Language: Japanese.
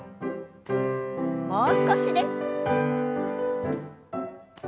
もう少しです。